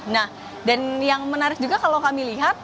nah dan yang menarik juga kalau kami lihat